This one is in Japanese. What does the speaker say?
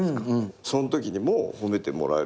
そのときにも褒めてもらえるから。